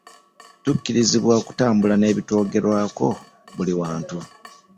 tukubirizibwa okutambula n'ebitwogerako buli wantu.